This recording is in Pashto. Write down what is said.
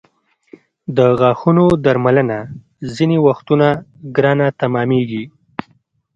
د غاښونو درملنه ځینې وختونه ګرانه تمامېږي.